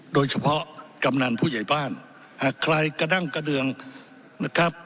กำนันผู้ใหญ่บ้านหากใครกระดั้งกระเดืองนะครับ